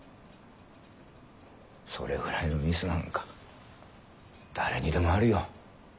それぐらいのミスなんか誰にでもあるよ。